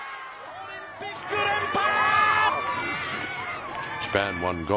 オリンピック連覇！